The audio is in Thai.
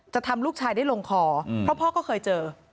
ทำลูกชายได้ลงคอเพราะพ่อก็เคยเจอ